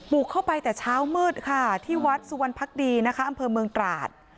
เข้าไปแต่เช้ามืดค่ะที่วัดสุวรรณภักดีนะคะอำเภอเมืองตราด